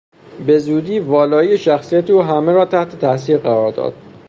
به زودی والایی شخصیت او همه را تحت تاثیر قرار داد.